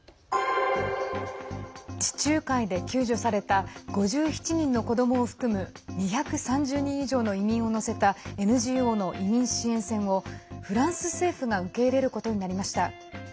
地中海で救助された５７人の子どもを含む２３０人以上の移民を乗せたＮＧＯの移民支援船をフランス政府が受け入れることになりました。